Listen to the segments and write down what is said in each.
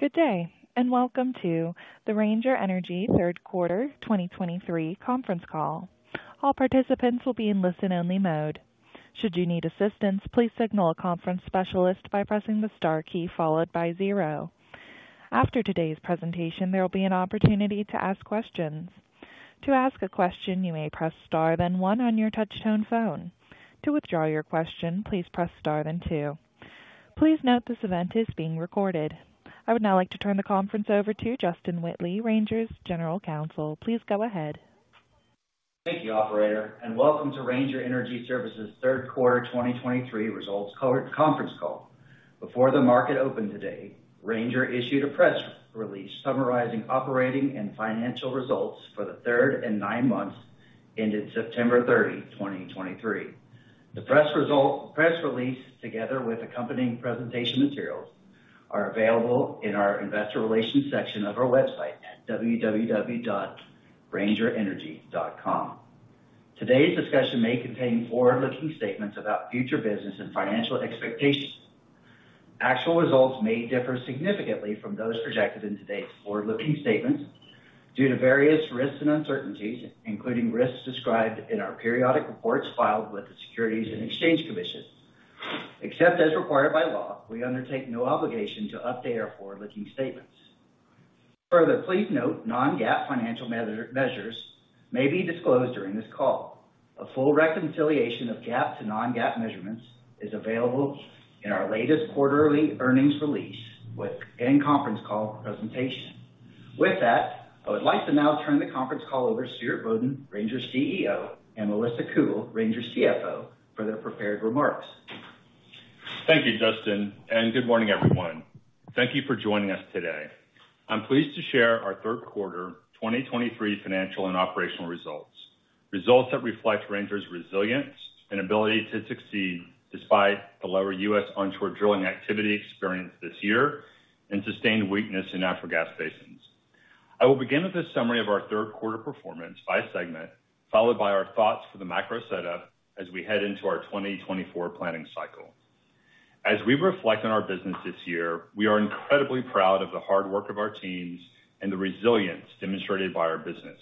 Good day, and welcome to the Ranger Energy third quarter 2023 conference call. All participants will be in listen-only mode. Should you need assistance, please signal a conference specialist by pressing the star key followed by zero. After today's presentation, there will be an opportunity to ask questions. To ask a question, you may press star, then one on your touchtone phone. To withdraw your question, please press star, then two. Please note, this event is being recorded. I would now like to turn the conference over to Justin Whitley, Ranger's General Counsel. Please go ahead. Thank you, operator, and welcome to Ranger Energy Services third quarter 2023 results conference call. Before the market opened today, Ranger issued a press release summarizing operating and financial results for the third and nine months ended September 30, 2023. The press release, together with accompanying presentation materials, are available in our investor relations section of our website at www.rangerenergy.com. Today's discussion may contain forward-looking statements about future business and financial expectations. Actual results may differ significantly from those projected in today's forward-looking statements due to various risks and uncertainties, including risks described in our periodic reports filed with the Securities and Exchange Commission. Except as required by law, we undertake no obligation to update our forward-looking statements. Further, please note, non-GAAP financial measures may be disclosed during this call. A full reconciliation of GAAP to non-GAAP measurements is available in our latest quarterly earnings release with and conference call presentation. With that, I would like to now turn the conference call over to Stuart Bodden, Ranger's CEO, and Melissa Cougle, Ranger's CFO, for their prepared remarks. Thank you, Justin, and good morning, everyone. Thank you for joining us today. I'm pleased to share our third quarter 2023 financial and operational results. Results that reflect Ranger's resilience and ability to succeed despite the lower U.S. onshore drilling activity experienced this year and sustained weakness in natural gas basins. I will begin with a summary of our third quarter performance by segment, followed by our thoughts for the macro setup as we head into our 2024 planning cycle. As we reflect on our business this year, we are incredibly proud of the hard work of our teams and the resilience demonstrated by our business.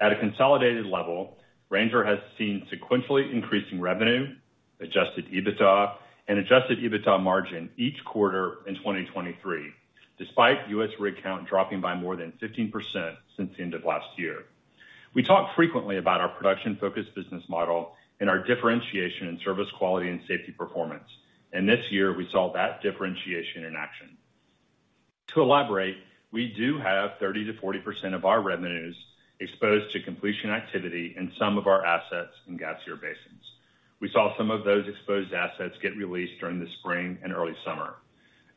At a consolidated level, Ranger has seen sequentially increasing revenue, Adjusted EBITDA, and Adjusted EBITDA margin each quarter in 2023, despite U.S. rig count dropping by more than 15% since the end of last year. We talk frequently about our production-focused business model and our differentiation in service, quality, and safety performance, and this year we saw that differentiation in action. To elaborate, we do have 30%-40% of our revenues exposed to completion activity in some of our assets in gassier basins. We saw some of those exposed assets get released during the spring and early summer.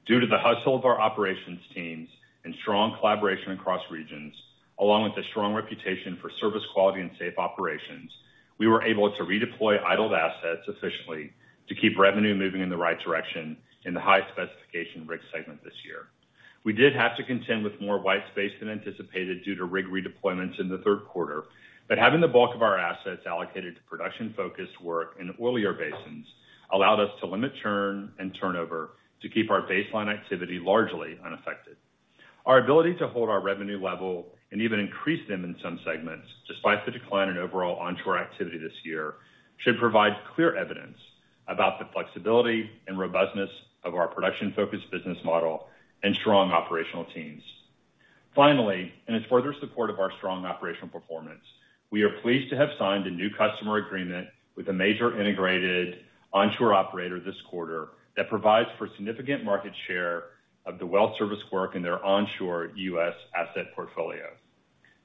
Due to the hustle of our operations teams and strong collaboration across regions, along with a strong reputation for service quality and safe operations, we were able to redeploy idled assets efficiently to keep revenue moving in the right direction in the high specification rig segment this year. We did have to contend with more white space than anticipated due to rig redeployments in the third quarter, but having the bulk of our assets allocated to production-focused work in oilier basins allowed us to limit churn and turnover to keep our baseline activity largely unaffected. Our ability to hold our revenue level and even increase them in some segments, despite the decline in overall onshore activity this year, should provide clear evidence about the flexibility and robustness of our production-focused business model and strong operational teams. Finally, and as further support of our strong operational performance, we are pleased to have signed a new customer agreement with a major integrated onshore operator this quarter that provides for significant market share of the well service work in their onshore U.S. asset portfolio.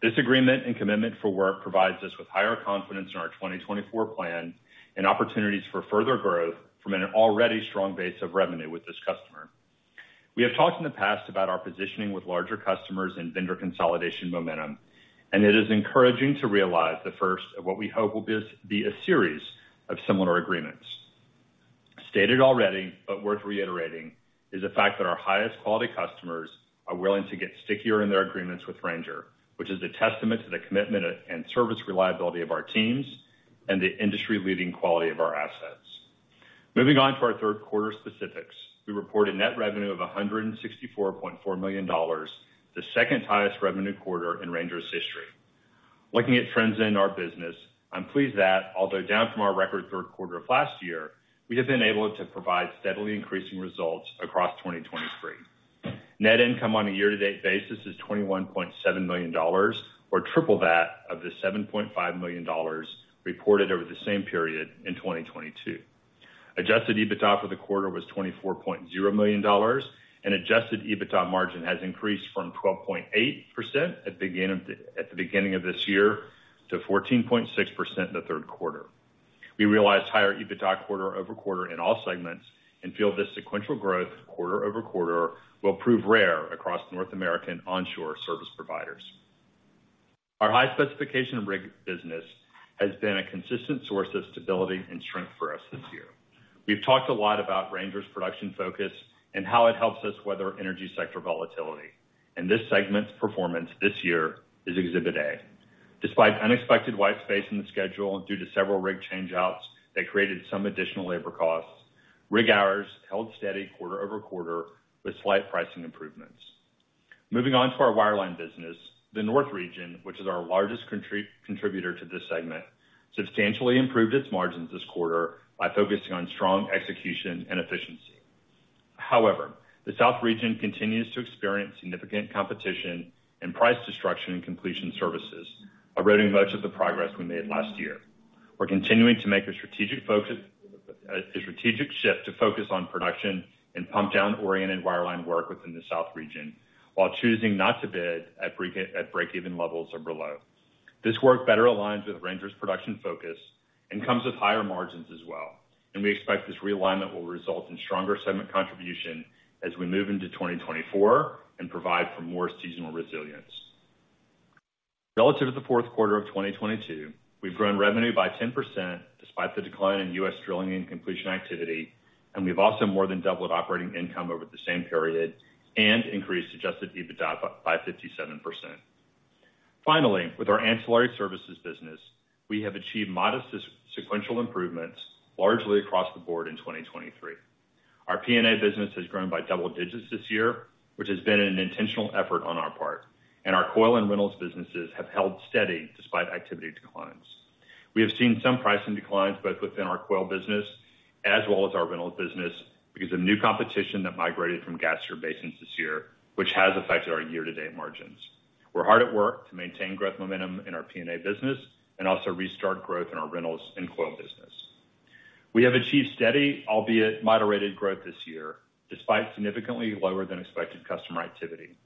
This agreement and commitment for work provides us with higher confidence in our 2024 plan and opportunities for further growth from an already strong base of revenue with this customer. We have talked in the past about our positioning with larger customers and vendor consolidation momentum, and it is encouraging to realize the first of what we hope will be a series of similar agreements. Stated already, but worth reiterating, is the fact that our highest quality customers are willing to get stickier in their agreements with Ranger, which is a testament to the commitment and service reliability of our teams and the industry-leading quality of our assets. Moving on to our third quarter specifics, we reported net revenue of $164.4 million, the second highest revenue quarter in Ranger's history. Looking at trends in our business, I'm pleased that although down from our record third quarter of last year, we have been able to provide steadily increasing results across 2023. Net income on a year-to-date basis is $21.7 million, or triple that of the $7.5 million reported over the same period in 2022. Adjusted EBITDA for the quarter was $24.0 million, and Adjusted EBITDA margin has increased from 12.8% at the beginning of this year to 14.6% in the third quarter. We realized higher EBITDA quarter-over-quarter in all segments and feel this sequential growth quarter-over-quarter will prove rare across North American onshore service providers. Our high specification rig business has been a consistent source of stability and strength for us this year. We've talked a lot about Ranger's production focus and how it helps us weather energy sector volatility, and this segment's performance this year is Exhibit A. Despite unexpected white space in the schedule due to several rig changeouts that created some additional labor costs, rig hours held steady quarter-over-quarter, with slight pricing improvements. Moving on to our wireline business, the North region, which is our largest contributor to this segment, substantially improved its margins this quarter by focusing on strong execution and efficiency. However, the South region continues to experience significant competition and price destruction and completion services, eroding much of the progress we made last year. We're continuing to make a strategic focus, a strategic shift to focus on production and pump down oriented wireline work within the South region, while choosing not to bid at breakeven levels or below. This work better aligns with Ranger's production focus and comes with higher margins as well, and we expect this realignment will result in stronger segment contribution as we move into 2024, and provide for more seasonal resilience. Relative to the fourth quarter of 2022, we've grown revenue by 10% despite the decline in U.S. drilling and completion activity, and we've also more than doubled operating income over the same period and increased Adjusted EBITDA by 57%. Finally, with our ancillary services business, we have achieved modest sequential improvements largely across the board in 2023. Our P&A business has grown by double digits this year, which has been an intentional effort on our part, and our coil and rentals businesses have held steady despite activity declines. We have seen some pricing declines, both within our coil business as well as our rental business, because of new competition that migrated from gas turbine basins this year, which has affected our year-to-date margins. We're hard at work to maintain growth momentum in our P&A business and also restart growth in our rentals and coil business. We have achieved steady, albeit moderated, growth this year, despite significantly lower than expected customer activity.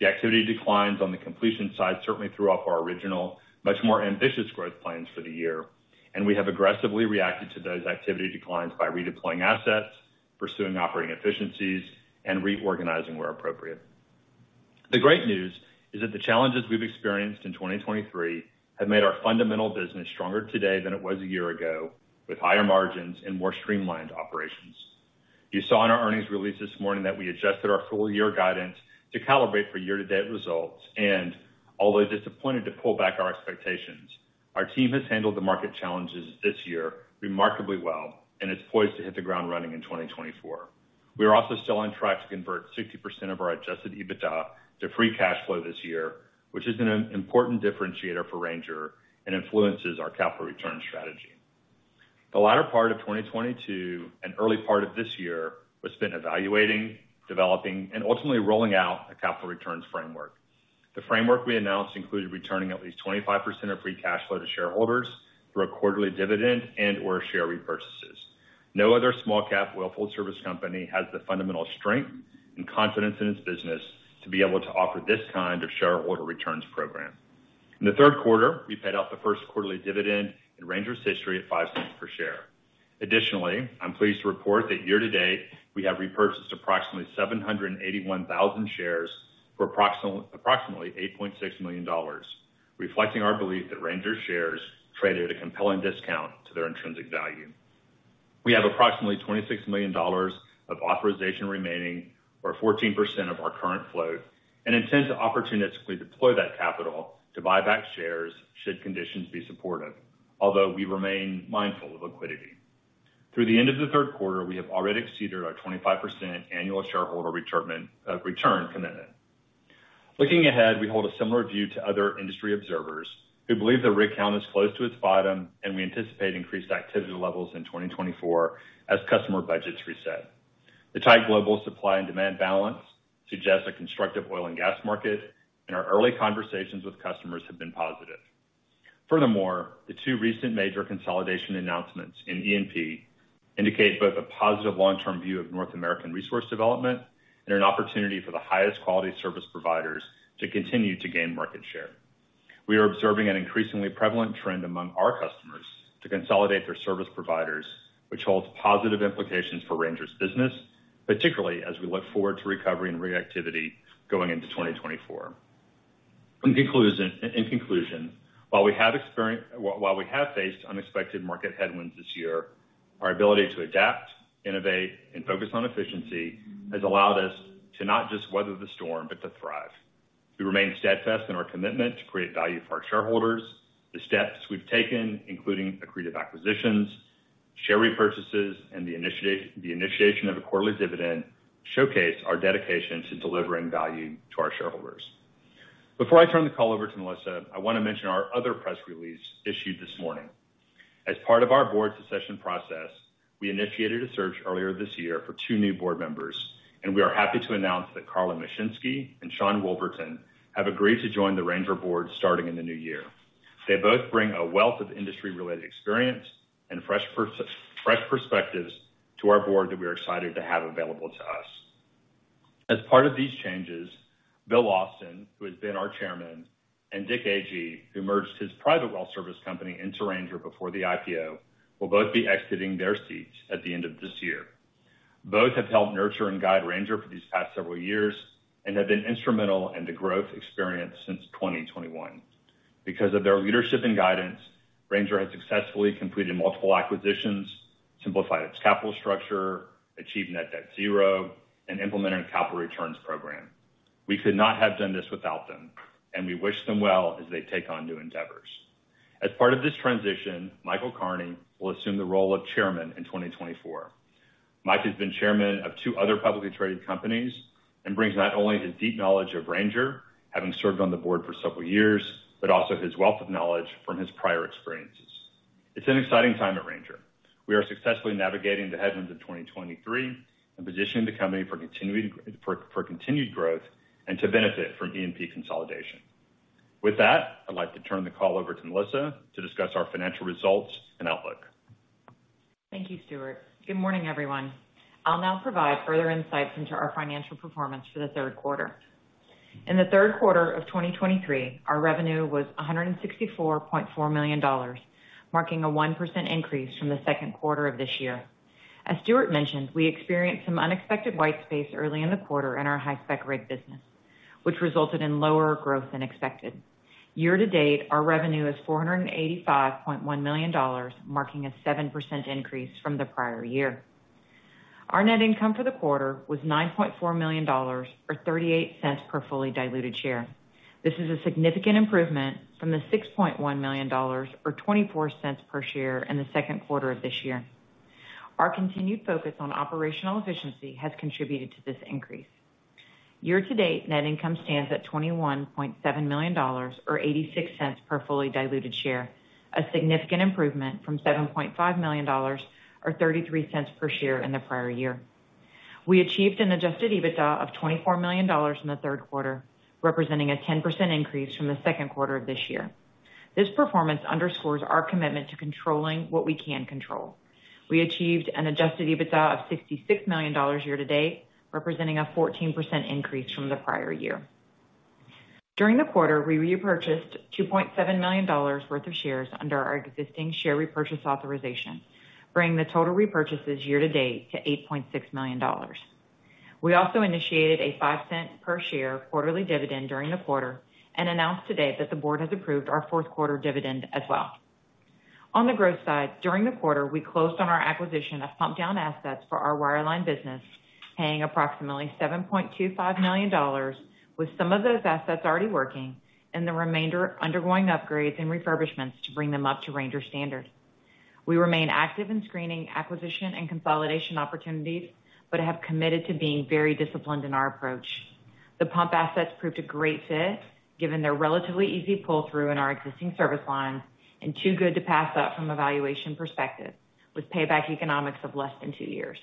The activity declines on the completion side certainly threw off our original, much more ambitious growth plans for the year, and we have aggressively reacted to those activity declines by redeploying assets, pursuing operating efficiencies, and reorganizing where appropriate. The great news is that the challenges we've experienced in 2023 have made our fundamental business stronger today than it was a year ago, with higher margins and more streamlined operations. You saw in our earnings release this morning that we adjusted our full year guidance to calibrate for year-to-date results, and although disappointed to pull back our expectations, our team has handled the market challenges this year remarkably well and is poised to hit the ground running in 2024. We are also still on track to convert 60% of our Adjusted EBITDA to free cash flow this year, which is an important differentiator for Ranger and influences our capital return strategy. The latter part of 2022 and early part of this year was spent evaluating, developing, and ultimately rolling out a capital returns framework. The framework we announced included returning at least 25% of free cash flow to shareholders through a quarterly dividend and/or share repurchases. No other small-cap well service company has the fundamental strength and confidence in its business to be able to offer this kind of shareholder returns program. In the third quarter, we paid out the first quarterly dividend in Ranger's history at $0.05 per share. Additionally, I'm pleased to report that year to date, we have repurchased approximately 781,000 shares for approximately $8.6 million, reflecting our belief that Ranger shares trade at a compelling discount to their intrinsic value. We have approximately $26 million of authorization remaining, or 14% of our current float, and intend to opportunistically deploy that capital to buy back shares should conditions be supportive, although we remain mindful of liquidity. Through the end of the third quarter, we have already exceeded our 25% annual shareholder return commitment. Looking ahead, we hold a similar view to other industry observers who believe the rig count is close to its bottom, and we anticipate increased activity levels in 2024 as customer budgets reset. The tight global supply and demand balance suggests a constructive oil and gas market, and our early conversations with customers have been positive. Furthermore, the two recent major consolidation announcements in E&P indicate both a positive long-term view of North American resource development and an opportunity for the highest quality service providers to continue to gain market share. We are observing an increasingly prevalent trend among our customers to consolidate their service providers, which holds positive implications for Ranger's business, particularly as we look forward to recovery and reactivity going into 2024. In conclusion, while we have experienced... While we have faced unexpected market headwinds this year, our ability to adapt, innovate, and focus on efficiency has allowed us to not just weather the storm, but to thrive. We remain steadfast in our commitment to create value for our shareholders. The steps we've taken, including accretive acquisitions, share repurchases, and the initiation of a quarterly dividend, showcase our dedication to delivering value to our shareholders. Before I turn the call over to Melissa, I wanna mention our other press release issued this morning. As part of our board succession process, we initiated a search earlier this year for two new board members, and we are happy to announce that Carla Mashinski and Sean Woolverton have agreed to join the Ranger board starting in the new year. They both bring a wealth of industry-related experience and fresh perspectives to our board that we are excited to have available to us. As part of these changes, Bill Austin, who has been our chairman, and Richard Agee, who merged his private well service company into Ranger before the IPO, will both be exiting their seats at the end of this year. Both have helped nurture and guide Ranger for these past several years and have been instrumental in the growth experience since 2021. Because of their leadership and guidance, Ranger has successfully completed multiple acquisitions, simplify its capital structure, achieve net debt zero, and implement our capital returns program. We could not have done this without them, and we wish them well as they take on new endeavors. As part of this transition, Michael Kearney will assume the role of chairman in 2024. Mike has been chairman of two other publicly traded companies and brings not only his deep knowledge of Ranger, having served on the board for several years, but also his wealth of knowledge from his prior experiences. It's an exciting time at Ranger. We are successfully navigating the headwinds of 2023 and positioning the company for continued growth and to benefit from E&P consolidation. With that, I'd like to turn the call over to Melissa to discuss our financial results and outlook. Thank you, Stuart. Good morning, everyone. I'll now provide further insights into our financial performance for the third quarter. In the third quarter of 2023, our revenue was $164.4 million, marking a 1% increase from the second quarter of this year. As Stuart mentioned, we experienced some unexpected white space early in the quarter in our high spec rig business, which resulted in lower growth than expected. Year to date, our revenue is $485.1 million, marking a 7% increase from the prior year. Our net income for the quarter was $9.4 million, or $0.38 per fully diluted share. This is a significant improvement from the $6.1 million, or $0.24 per share in the second quarter of this year. Our continued focus on operational efficiency has contributed to this increase. Year to date, net income stands at $21.7 million, or $0.86 per fully diluted share, a significant improvement from $7.5 million, or $0.33 per share in the prior year. We achieved an Adjusted EBITDA of $24 million in the third quarter, representing a 10% increase from the second quarter of this year. This performance underscores our commitment to controlling what we can control. We achieved an Adjusted EBITDA of $66 million year to date, representing a 14% increase from the prior year. During the quarter, we repurchased $2.7 million worth of shares under our existing share repurchase authorization, bringing the total repurchases year to date to $8.6 million. We also initiated a $0.05 per share quarterly dividend during the quarter and announced today that the board has approved our fourth quarter dividend as well. On the growth side, during the quarter, we closed on our acquisition of pump-down assets for our wireline business, paying approximately $7.25 million, with some of those assets already working and the remainder undergoing upgrades and refurbishments to bring them up to Ranger standards. We remain active in screening, acquisition, and consolidation opportunities, but have committed to being very disciplined in our approach. The pump assets proved a great fit, given their relatively easy pull-through in our existing service lines, and too good to pass up from a valuation perspective, with payback economics of less than two years.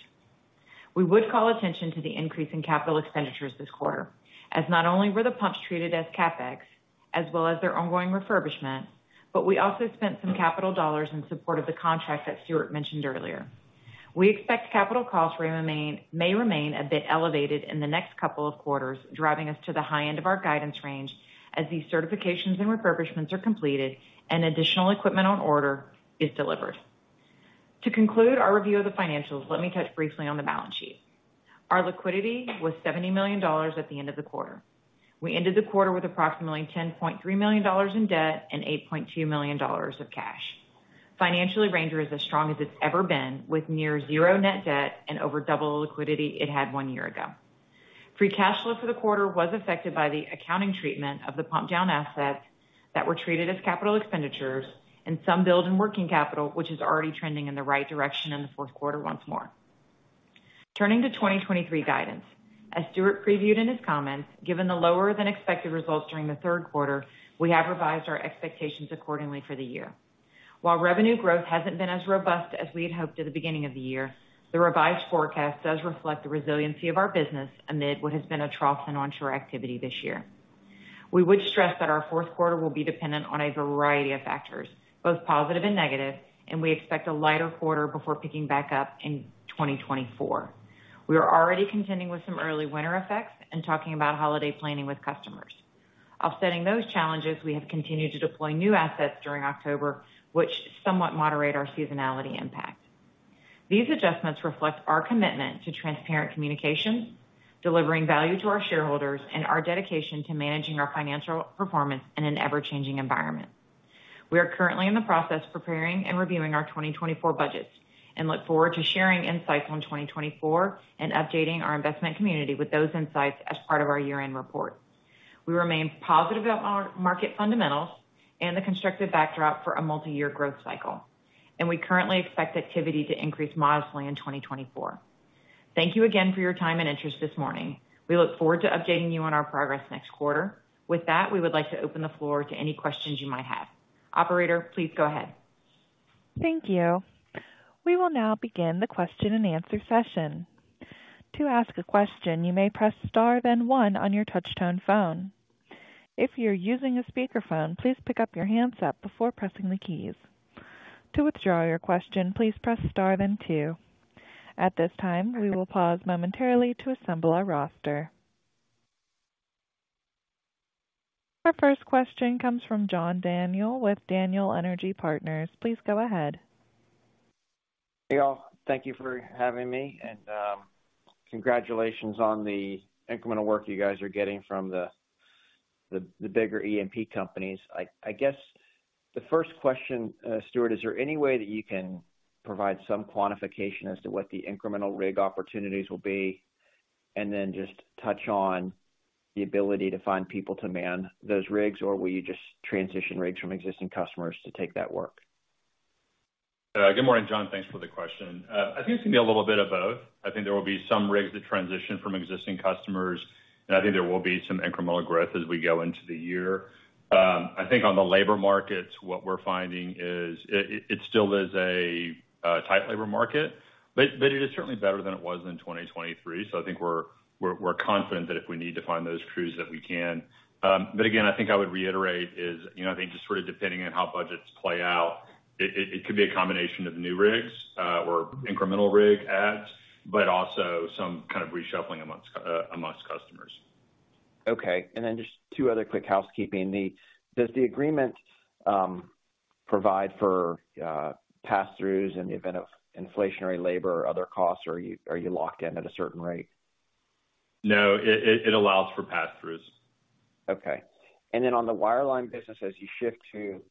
We would call attention to the increase in capital expenditures this quarter, as not only were the pumps treated as CapEx, as well as their ongoing refurbishment, but we also spent some capital dollars in support of the contract that Stuart mentioned earlier. We expect capital costs may remain a bit elevated in the next couple of quarters, driving us to the high end of our guidance range as these certifications and refurbishments are completed and additional equipment on order is delivered. To conclude our review of the financials, let me touch briefly on the balance sheet. Our liquidity was $70 million at the end of the quarter. We ended the quarter with approximately $10.3 million in debt and $8.2 million of cash. Financially, Ranger is as strong as it's ever been, with near zero net debt and over double the liquidity it had one year ago. Free cash flow for the quarter was affected by the accounting treatment of the pump-down assets that were treated as capital expenditures and some build in working capital, which is already trending in the right direction in the fourth quarter once more. Turning to 2023 guidance. As Stuart previewed in his comments, given the lower than expected results during the third quarter, we have revised our expectations accordingly for the year. While revenue growth hasn't been as robust as we had hoped at the beginning of the year, the revised forecast does reflect the resiliency of our business amid what has been a trough in onshore activity this year. We would stress that our fourth quarter will be dependent on a variety of factors, both positive and negative, and we expect a lighter quarter before picking back up in 2024. We are already contending with some early winter effects and talking about holiday planning with customers. Offsetting those challenges, we have continued to deploy new assets during October, which somewhat moderate our seasonality impact. These adjustments reflect our commitment to transparent communication, delivering value to our shareholders, and our dedication to managing our financial performance in an ever-changing environment. We are currently in the process of preparing and reviewing our 2024 budgets and look forward to sharing insights on 2024 and updating our investment community with those insights as part of our year-end report. We remain positive about our market fundamentals and the constructive backdrop for a multiyear growth cycle, and we currently expect activity to increase modestly in 2024. Thank you again for your time and interest this morning. We look forward to updating you on our progress next quarter. With that, we would like to open the floor to any questions you might have. Operator, please go ahead. Thank you. We will now begin the question-and-answer session. To ask a question, you may press star, then one on your touchtone phone. If you're using a speakerphone, please pick up your handset before pressing the keys. To withdraw your question, please press star, then two. At this time, we will pause momentarily to assemble our roster. Our first question comes from John Daniel with Daniel Energy Partners. Please go ahead. Hey, all. Thank you for having me, and, congratulations on the incremental work you guys are getting from the-... the bigger E&P companies. I guess the first question, Stuart, is there any way that you can provide some quantification as to what the incremental rig opportunities will be? And then just touch on the ability to find people to man those rigs, or will you just transition rigs from existing customers to take that work? Good morning, John. Thanks for the question. I think it's gonna be a little bit of both. I think there will be some rigs that transition from existing customers, and I think there will be some incremental growth as we go into the year. I think on the labor markets, what we're finding is it still is a tight labor market, but it is certainly better than it was in 2023. So I think we're confident that if we need to find those crews, that we can. But again, I think I would reiterate is, you know, I think just sort of depending on how budgets play out, it could be a combination of new rigs, or incremental rig adds, but also some kind of reshuffling amongst customers. Okay, and then just two other quick housekeeping. Does the agreement provide for pass-throughs in the event of inflationary labor or other costs, or are you, are you locked in at a certain rate? No, it allows for pass-throughs. Okay. And then on the wireline business, as you shift to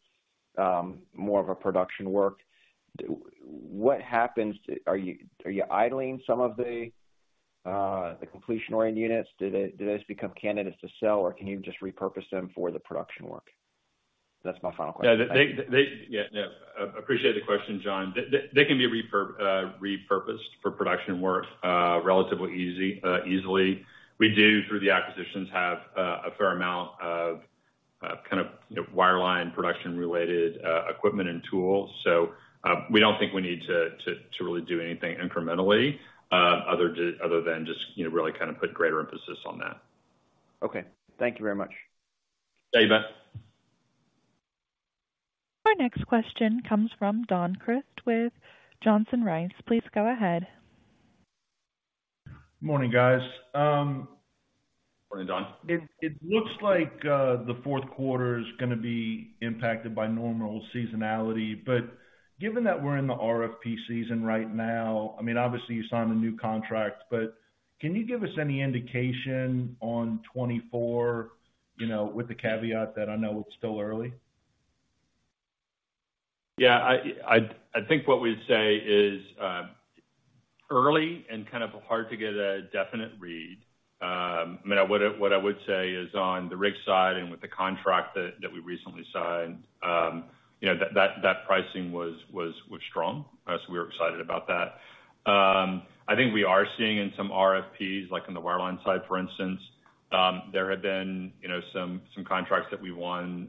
more of a production work, what happens? Are you idling some of the completion-oriented units? Do those become candidates to sell, or can you just repurpose them for the production work? That's my final question. Yeah, they, they. Yeah, yeah. Appreciate the question, John. They, they, they can be repurposed for production work, relatively easily. We do, through the acquisitions, have a fair amount of, kind of, you know, wireline production-related equipment and tools. So, we don't think we need to really do anything incrementally, other than just, you know, really kind of put greater emphasis on that. Okay. Thank you very much. Yeah, you bet. Our next question comes from Don Crist with Johnson Rice. Please go ahead. Morning, guys. Morning, Don. It looks like the fourth quarter is gonna be impacted by normal seasonality, but given that we're in the RFP season right now, I mean, obviously you signed a new contract, but can you give us any indication on 2024, you know, with the caveat that I know it's still early? Yeah, I think what we'd say is early and kind of hard to get a definite read. I mean, what I would say is on the rig side and with the contract that we recently signed, you know, that pricing was strong. So we're excited about that. I think we are seeing in some RFPs, like on the Wireline side, for instance, there have been, you know, some contracts that we won,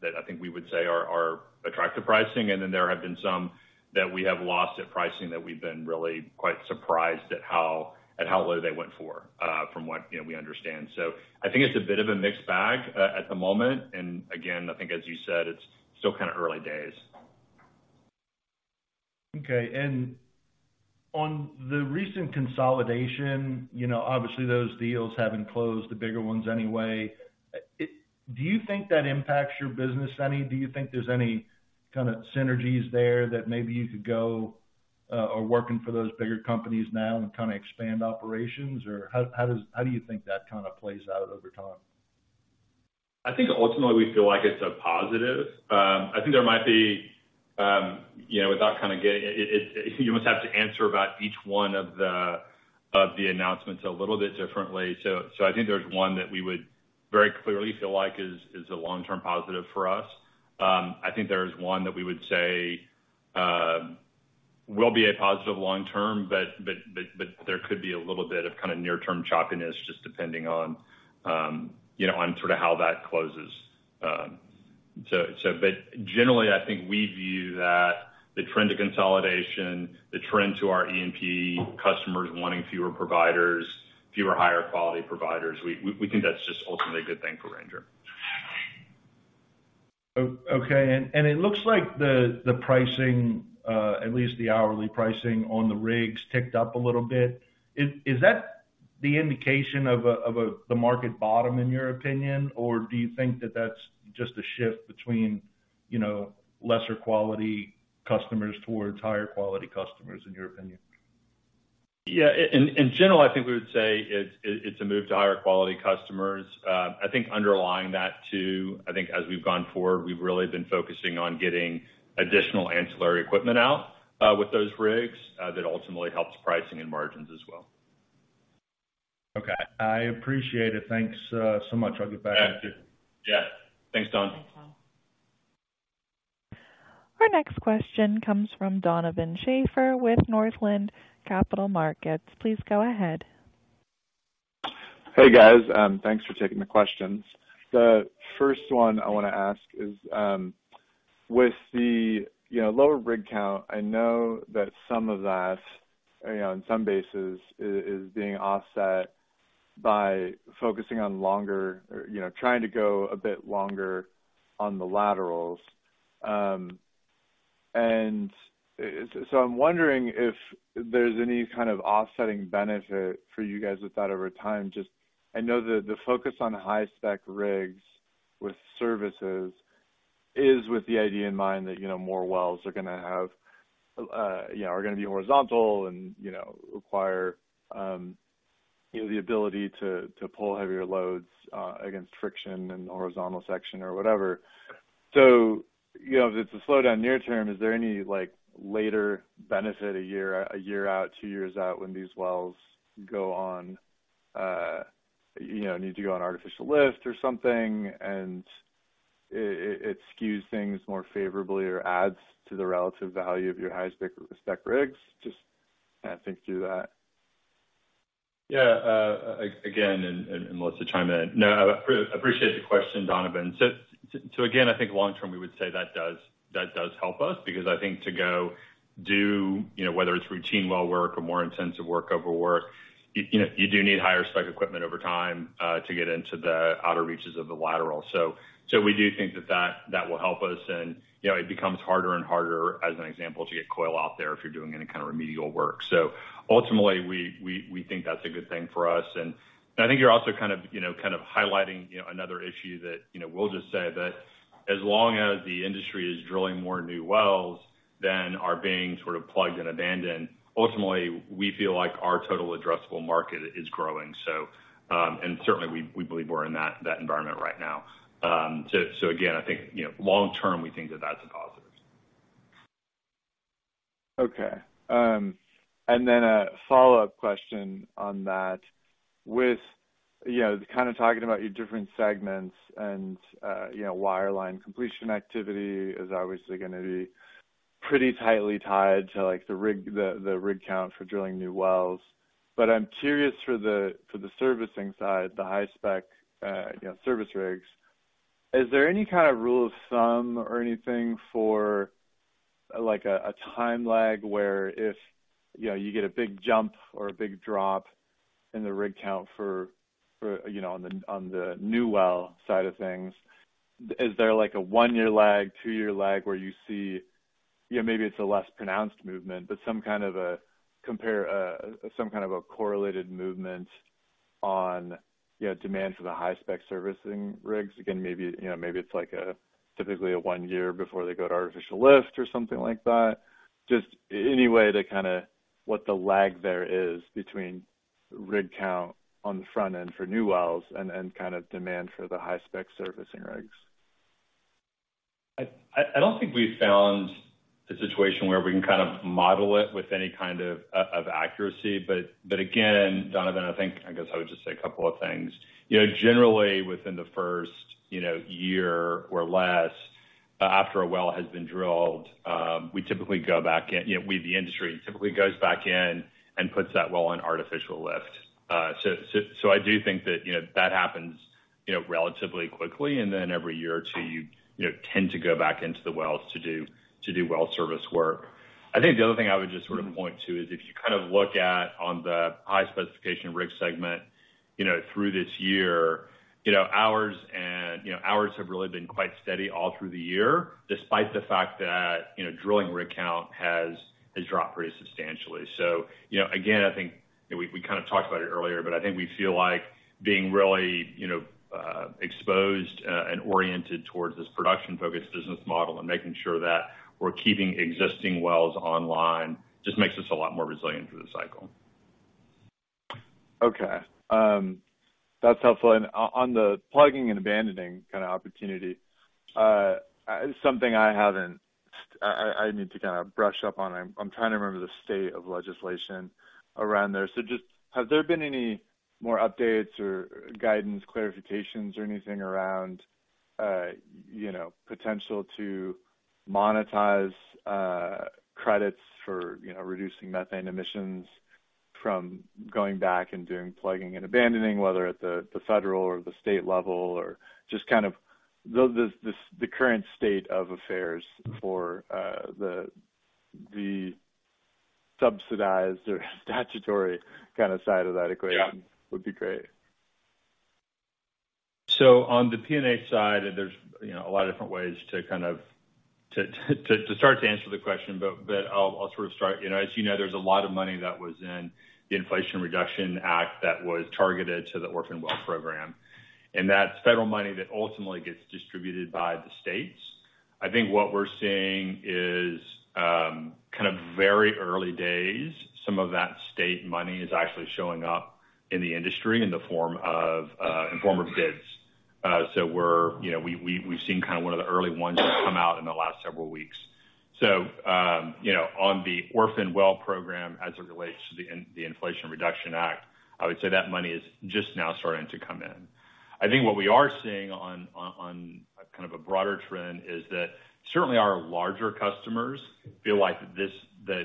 that I think we would say are attractive pricing. And then there have been some that we have lost at pricing that we've been really quite surprised at how low they went for, from what, you know, we understand. I think it's a bit of a mixed bag at the moment, and again, I think as you said, it's still kind of early days. Okay, and on the recent consolidation, you know, obviously those deals haven't closed, the bigger ones anyway. It... Do you think that impacts your business any? Do you think there's any kind of synergies there that maybe you could go, or working for those bigger companies now and kind of expand operations? Or how, how does, how do you think that kind of plays out over time? I think ultimately we feel like it's a positive. I think there might be, you know, without kind of getting... It, you almost have to answer about each one of the announcements a little bit differently. So I think there's one that we would very clearly feel like is a long-term positive for us. I think there is one that we would say will be a positive long term, but there could be a little bit of kind of near-term choppiness, just depending on, you know, on sort of how that closes. So but generally, I think we view that the trend to consolidation, the trend to our E&P customers wanting fewer providers, fewer higher quality providers, we think that's just ultimately a good thing for Ranger. Oh, okay. And it looks like the pricing, at least the hourly pricing on the rigs, ticked up a little bit. Is that the indication of the market bottom in your opinion? Or do you think that that's just a shift between, you know, lesser quality customers towards higher quality customers, in your opinion? Yeah, in general, I think we would say it's a move to higher quality customers. I think underlying that too, I think as we've gone forward, we've really been focusing on getting additional ancillary equipment out with those rigs that ultimately helps pricing and margins as well. Okay, I appreciate it. Thanks, so much. I'll get back to you. Yeah. Thanks, Don. Our next question comes from Donovan Schafer with Northland Capital Markets. Please go ahead. Hey, guys. Thanks for taking the questions. The first one I want to ask is, with the, you know, lower rig count, I know that some of that, you know, on some bases, is being offset by focusing on longer or, you know, trying to go a bit longer on the laterals. And so I'm wondering if there's any kind of offsetting benefit for you guys with that over time. Just, I know that the focus on high-spec rigs with services is with the idea in mind that, you know, more wells are gonna have, you know, are gonna be horizontal and, you know, require the ability to pull heavier loads against friction and horizontal section or whatever. So, you know, if it's a slowdown near term, is there any, like, later benefit, a year out, two years out, when these wells go on, you know, need to go on artificial lift or something, and it skews things more favorably or adds to the relative value of your high spec, spec rigs? Just kind of think through that. Yeah, again, and Melissa, chime in. No, I appreciate the question, Donovan. So again, I think long term, we would say that does help us because I think to go do, you know, whether it's routine well work or more intensive workover work, you know, you do need higher-spec equipment over time to get into the outer reaches of the lateral. So we do think that will help us. And, you know, it becomes harder and harder, as an example, to get coil out there if you're doing any kind of remedial work. So ultimately, we think that's a good thing for us. I think you're also kind of, you know, kind of highlighting, you know, another issue that, you know, we'll just say that as long as the industry is drilling more new wells than are being sort of plugged and abandoned, ultimately, we feel like our total addressable market is growing. So, and certainly, we believe we're in that environment right now. So again, I think, you know, long term, we think that that's a positive. Okay. And then a follow-up question on that. With you know, kind of talking about your different segments and, you know, wireline completion activity is obviously gonna be pretty tightly tied to, like, the rig count for drilling new wells. But I'm curious for the servicing side, the high-spec you know, service rigs, is there any kind of rule of thumb or anything for, like, a time lag, where if, you know, you get a big jump or a big drop in the rig count for you know, on the new well side of things, is there like a one-year lag, two-year lag, where you see, you know, maybe it's a less pronounced movement, but some kind of a correlated movement on, you know, demand for the high-spec servicing rigs? Again, maybe, you know, maybe it's like a, typically a one year before they go to artificial lift or something like that. Just any way to kinda what the lag there is between rig count on the front end for new wells and, and kind of demand for the high-spec servicing rigs. I don't think we've found a situation where we can kind of model it with any kind of, of accuracy. But again, Donovan, I think, I guess I would just say a couple of things. You know, generally, within the first, you know, year or less, after a well has been drilled, we typically go back in. You know, we, the industry, typically goes back in and puts that well on Artificial Lift. So, so, so I do think that, you know, that happens, you know, relatively quickly, and then every year or two, you know, tend to go back into the wells to do, to do well service work. I think the other thing I would just sort of point to is if you kind of look at on the high specification rig segment, you know, through this year, you know, hours and, you know, hours have really been quite steady all through the year, despite the fact that, you know, drilling rig count has dropped pretty substantially. So, you know, again, I think, and we kind of talked about it earlier, but I think we feel like being really, you know, exposed, and oriented towards this production-focused business model and making sure that we're keeping existing wells online just makes us a lot more resilient through the cycle. Okay, that's helpful. And on the plugging and abandoning kind of opportunity, something I haven't... I need to kind of brush up on. I'm trying to remember the state of legislation around there. So just, have there been any more updates or guidance, clarifications or anything around, you know, potential to monetize, credits for, you know, reducing methane emissions from going back and doing plugging and abandoning, whether at the federal or the state level, or just kind of the current state of affairs for, the subsidized or statutory kind of side of that equation- Yeah. would be great. So on the P&A side, there's, you know, a lot of different ways to kind of to start to answer the question, but I'll sort of start. You know, as you know, there's a lot of money that was in the Inflation Reduction Act that was targeted to the Orphan Well Program, and that's federal money that ultimately gets distributed by the states. I think what we're seeing is kind of very early days. Some of that state money is actually showing up in the industry in the form of bids. So we're, you know, we've seen kind of one of the early ones come out in the last several weeks. So, you know, on the Orphan Well Program, as it relates to the Inflation Reduction Act, I would say that money is just now starting to come in. I think what we are seeing on kind of a broader trend is that certainly our larger customers feel like this, that,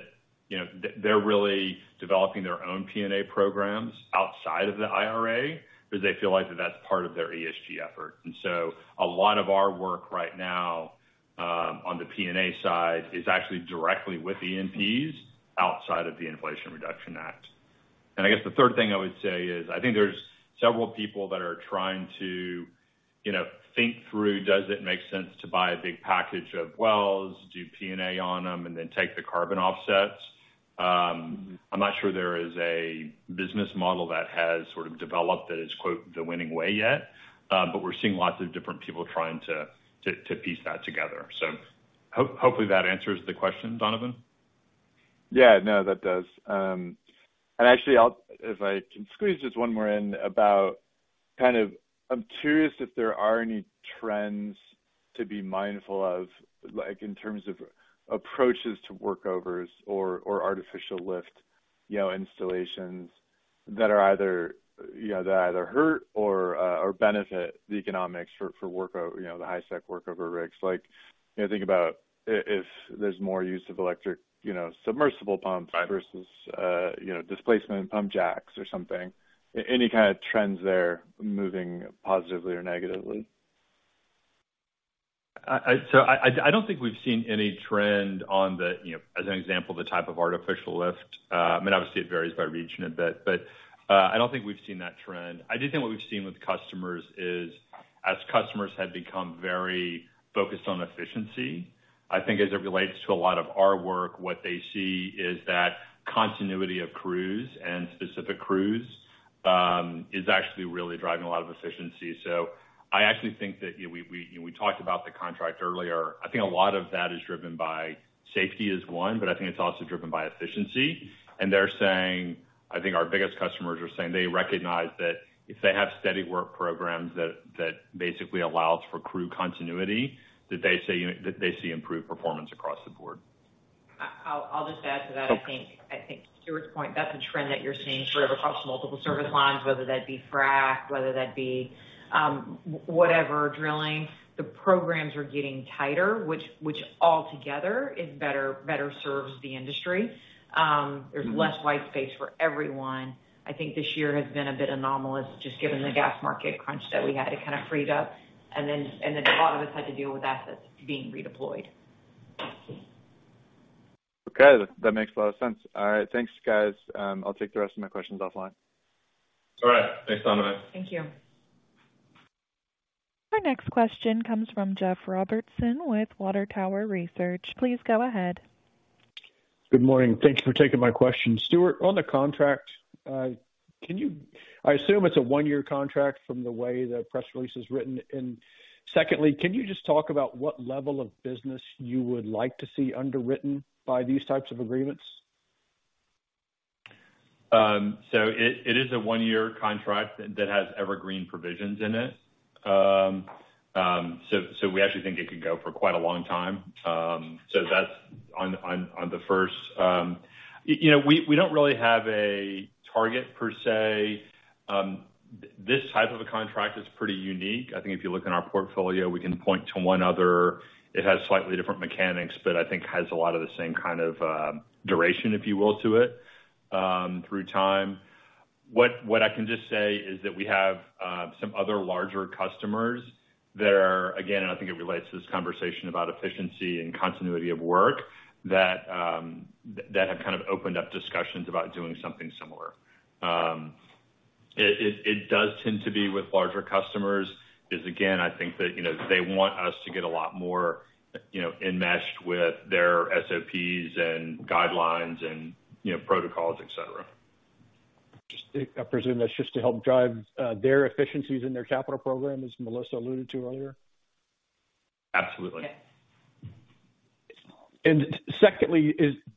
you know, they're really developing their own P&A programs outside of the IRA, because they feel like that's part of their ESG effort. And so a lot of our work right now on the P&A side is actually directly with the E&Ps outside of the Inflation Reduction Act. And I guess the third thing I would say is, I think there's several people that are trying to, you know, think through, does it make sense to buy a big package of wells, do P&A on them, and then take the carbon offsets? I'm not sure there is a business model that has sort of developed that is, quote, "the winning way yet," but we're seeing lots of different people trying to piece that together. So hopefully, that answers the question, Donovan.... Yeah, no, that does. And actually, I'll if I can squeeze just one more in about kind of, I'm curious if there are any trends to be mindful of, like, in terms of approaches to workovers or, or artificial lift, you know, installations that are either, you know, that either hurt or, or benefit the economics for, for workover, you know, the high-spec workover rigs. Like, you know, think about if there's more use of electric, you know, submersible pumps- Right. -versus, you know, displacement pump jacks or something. Any kind of trends there moving positively or negatively? So, I don't think we've seen any trend on the, you know, as an example, the type of Artificial Lift. I mean, obviously, it varies by region a bit, but I don't think we've seen that trend. I do think what we've seen with customers is, as customers have become very focused on efficiency, I think as it relates to a lot of our work, what they see is that continuity of crews and specific crews is actually really driving a lot of efficiency. So, I actually think that, you know, we talked about the contract earlier. I think a lot of that is driven by safety is one, but I think it's also driven by efficiency. They're saying, I think, our biggest customers are saying they recognize that if they have steady work programs, that basically allows for crew continuity, that they say, you know, that they see improved performance across the board. I'll just add to that. Okay. I think, I think to Stuart's point, that's a trend that you're seeing sort of across multiple service lines, whether that be frack, whether that be whatever, drilling. The programs are getting tighter, which altogether is better, better serves the industry. Mm-hmm. There's less White Space for everyone. I think this year has been a bit anomalous, just given the gas market crunch that we had. It kind of freed up, and then, and then a lot of us had to deal with assets being redeployed. Okay, that makes a lot of sense. All right. Thanks, guys. I'll take the rest of my questions offline. All right. Thanks, Donovan. Thank you. Our next question comes from Jeff Robertson with Water Tower Research. Please go ahead. Good morning. Thank you for taking my question. Stuart, on the contract, can you, I assume it's a one-year contract from the way the press release is written. And secondly, can you just talk about what level of business you would like to see underwritten by these types of agreements? So it is a one-year contract that has evergreen provisions in it. So we actually think it could go for quite a long time. So that's on the first. You know, we don't really have a target per se. This type of a contract is pretty unique. I think if you look in our portfolio, we can point to one other. It has slightly different mechanics, but I think has a lot of the same kind of duration, if you will, to it, through time. What I can just say is that we have some other larger customers that are, again, and I think it relates to this conversation about efficiency and continuity of work, that have kind of opened up discussions about doing something similar. It does tend to be with larger customers, because again, I think that, you know, they want us to get a lot more, you know, enmeshed with their SOPs and guidelines and, you know, protocols, et cetera. Just, I presume that's just to help drive their efficiencies in their capital program, as Melissa alluded to earlier? Absolutely. Yeah. Secondly,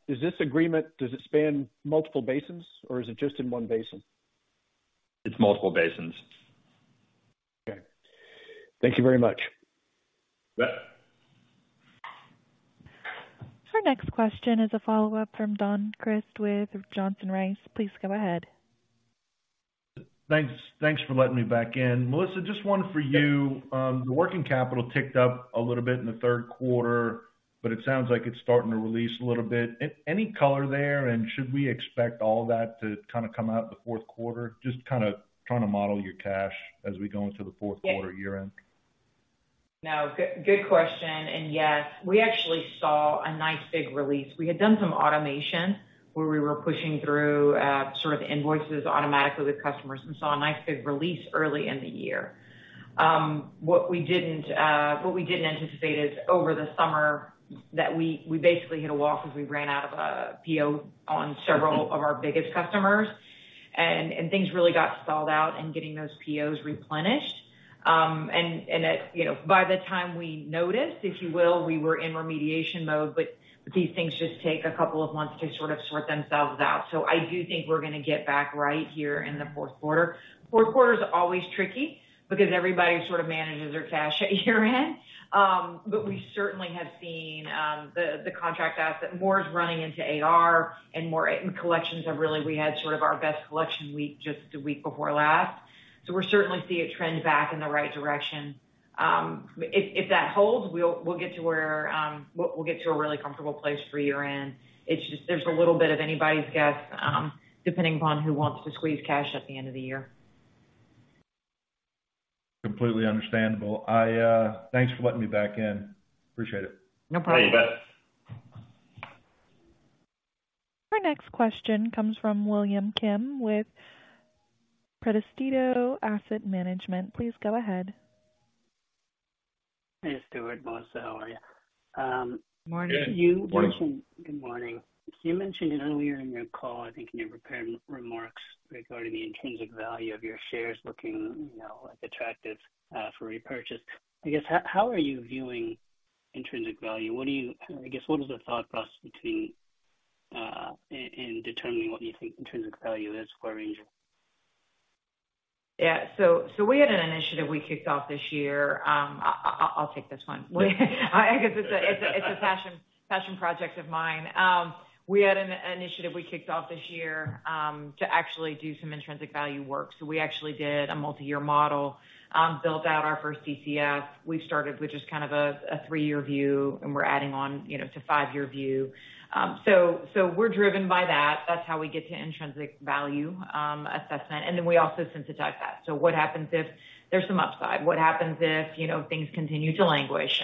is this agreement, does it span multiple basins or is it just in one basin? It's multiple basins. Okay. Thank you very much. You bet. Our next question is a follow-up from Don Crist with Johnson Rice. Please go ahead. Thanks, thanks for letting me back in. Melissa, just one for you. The working capital ticked up a little bit in the third quarter, but it sounds like it's starting to release a little bit. Any color there, and should we expect all that to kind of come out in the fourth quarter? Just kind of trying to model your cash as we go into the fourth quarter. Yeah -year end. No, good, good question, and yes, we actually saw a nice, big release. We had done some automation where we were pushing through, sort of invoices automatically with customers and saw a nice, big release early in the year. What we didn't, what we didn't anticipate is over the summer, that we, we basically hit a wall because we ran out of, PO on several of our biggest customers, and, and things really got stalled out in getting those POs replenished. And, and that, you know, by the time we noticed, if you will, we were in remediation mode, but these things just take a couple of months to sort of sort themselves out. So I do think we're gonna get back right here in the fourth quarter. Fourth quarter is always tricky because everybody sort of manages their cash at year-end. But we certainly have seen the contract asset. More is running into AR, and collections are really... We had sort of our best collection week just the week before last. So we're certainly seeing a trend back in the right direction. If that holds, we'll get to where we'll get to a really comfortable place for year end. It's just. There's a little bit of anybody's guess, depending upon who wants to squeeze cash at the end of the year. Completely understandable. I, thanks for letting me back in. Appreciate it. No problem. Hey, you bet. Our next question comes from William Kim with Presidio Asset Management. Please go ahead. Hey, Stuart, Melissa, how are you? Morning. Good morning. Good morning. You mentioned earlier in your call, I think, in your prepared remarks regarding the intrinsic value of your shares looking, you know, like, attractive for repurchase. I guess, how are you viewing intrinsic value? What do you—I guess, what is the thought process between in determining what you think intrinsic value is for Ranger? Yeah. So we had an initiative we kicked off this year. I'll take this one. I guess it's a passion project of mine. We had an initiative we kicked off this year to actually do some intrinsic value work. So we actually did a multi-year model, built out our first DCF. We've started with just kind of a three-year view, and we're adding on, you know, to five-year view. So we're driven by that. That's how we get to intrinsic value assessment, and then we also sensitize that. So what happens if there's some upside? What happens if, you know, things continue to languish?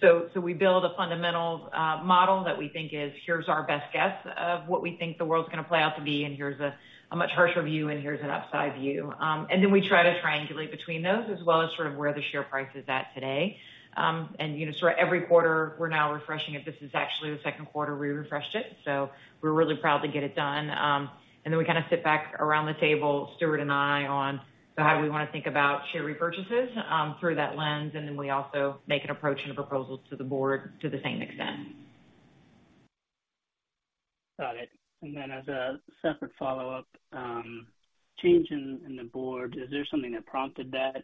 So we build a fundamentals model that we think is, here's our best guess of what we think the world's gonna play out to be, and here's a much harsher view, and here's an upside view. And then we try to triangulate between those, as well as sort of where the share price is at today. And, you know, sort of every quarter, we're now refreshing it. This is actually the second quarter we refreshed it, so we're really proud to get it done. And then we kind of sit back around the table, Stuart and I, on, so how do we wanna think about share repurchases through that lens, and then we also make an approach and a proposal to the board to the same extent. Got it. And then as a separate follow-up, change in the board, is there something that prompted that?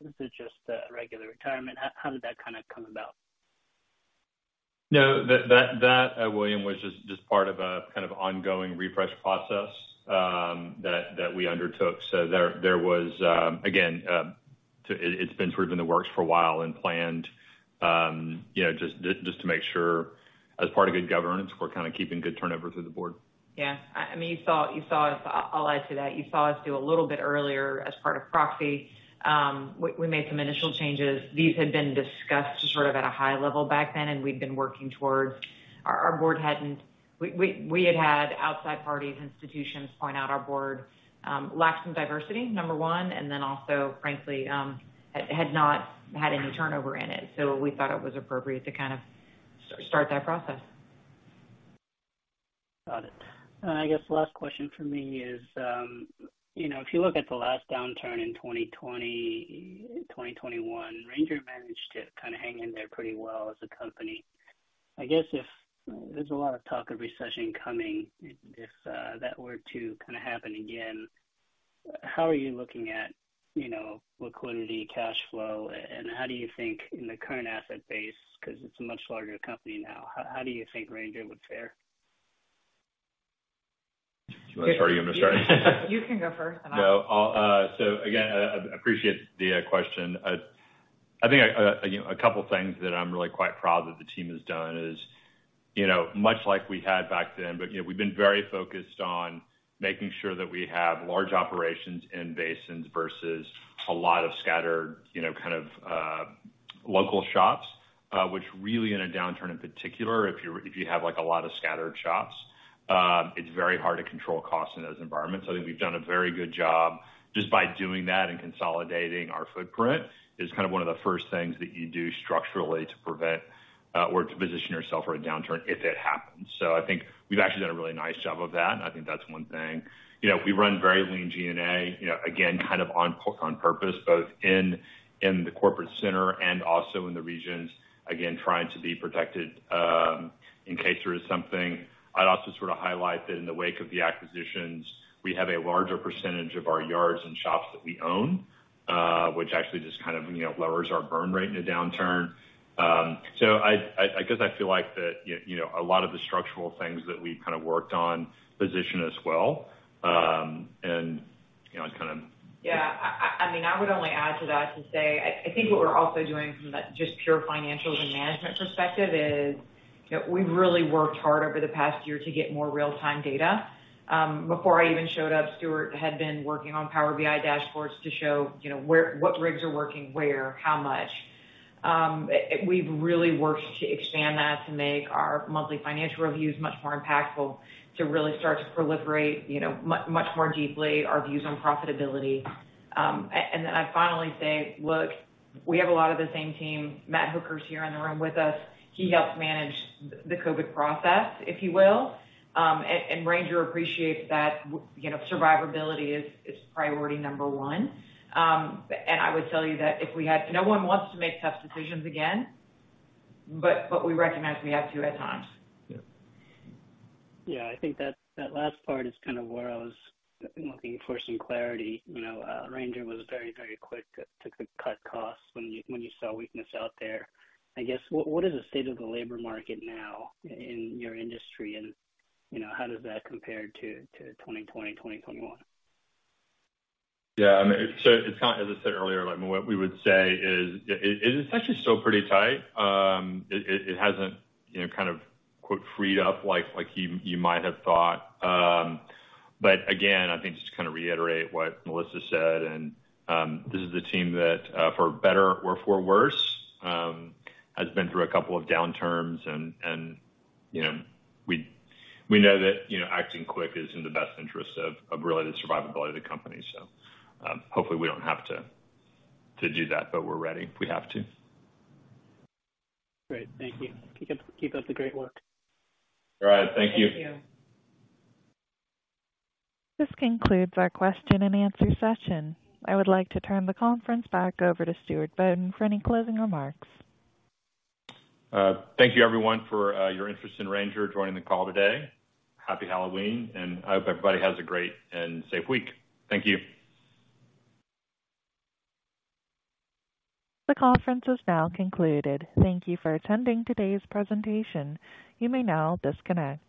Was it just a regular retirement? How did that kind of come about? No, that, William, was just part of a kind of ongoing refresh process that we undertook. So there was... Again, so it, it's been sort of in the works for a while and planned, you know, just to make sure as part of good governance, we're kind of keeping good turnover through the board. Yeah. I mean, you saw us—I'll add to that. You saw us do a little bit earlier as part of proxy. We made some initial changes. These had been discussed sort of at a high level back then, and we've been working towards... Our board hadn't—we had had outside parties, institutions, point out our board lacked some diversity, number one, and then also, frankly, had not had any turnover in it. So we thought it was appropriate to kind of start that process. Got it. I guess the last question from me is, you know, if you look at the last downturn in 2020, 2021, Ranger managed to kind of hang in there pretty well as a company. I guess, if there's a lot of talk of recession coming, if that were to kind of happen again, how are you looking at, you know, liquidity, cash flow, and how do you think in the current asset base, because it's a much larger company now, how do you think Ranger would fare? Do you want to start or you want me to start? You can go first. No, I'll... So again, I appreciate the question. I think, you know, a couple of things that I'm really quite proud that the team has done is, you know, much like we had back then, but, you know, we've been very focused on making sure that we have large operations in basins versus a lot of scattered, you know, kind of, local shops. Which really, in a downturn in particular, if you're-- if you have, like, a lot of scattered shops, it's very hard to control costs in those environments. So I think we've done a very good job just by doing that and consolidating our footprint, is kind of one of the first things that you do structurally to prevent, or to position yourself for a downturn if it happens. So I think we've actually done a really nice job of that, and I think that's one thing. You know, we run very lean G&A, you know, again, kind of on purpose, both in the corporate center and also in the regions, again, trying to be protected in case there is something. I'd also sort of highlight that in the wake of the acquisitions, we have a larger percentage of our yards and shops that we own, which actually just kind of, you know, lowers our burn rate in a downturn. So I guess I feel like that, you know, a lot of the structural things that we've kind of worked on position us well, and, you know, I kind of- Yeah, I mean, I would only add to that to say, I think what we're also doing from that just pure financials and management perspective is, you know, we've really worked hard over the past year to get more real-time data. Before I even showed up, Stuart had been working on Power BI dashboards to show, you know, where, what rigs are working, where, how much. We've really worked to expand that, to make our monthly financial reviews much more impactful, to really start to proliferate, you know, much more deeply, our views on profitability. And then I'd finally say, look, we have a lot of the same team. Matt Hooker's here in the room with us. He helped manage the COVID process, if you will. And Ranger appreciates that, you know, survivability is priority number one. And I would tell you that if we had, no one wants to make tough decisions again, but, but we recognize we have to at times. Yeah. Yeah, I think that last part is kind of where I was looking for some clarity. You know, Ranger was very, very quick to cut costs when you saw weakness out there. I guess, what is the state of the labor market now in your industry, and, you know, how does that compare to 2020, 2021? Yeah, I mean, so it's kind of, as I said earlier, like, what we would say is, it is actually still pretty tight. It hasn't, you know, kind of quote, "Freed up," like you might have thought. But again, I think just to kind of reiterate what Melissa said, and this is a team that, for better or for worse, has been through a couple of downturns. And you know, we know that, you know, acting quick is in the best interest of really the survivability of the company. So, hopefully, we don't have to do that, but we're ready if we have to. Great. Thank you. Keep up, keep up the great work. All right. Thank you. Thank you. This concludes our question and answer session. I would like to turn the conference back over to Stuart Bodden for any closing remarks. Thank you, everyone, for your interest in Ranger, joining the call today. Happy Halloween, and I hope everybody has a great and safe week. Thank you. The conference is now concluded. Thank you for attending today's presentation. You may now disconnect.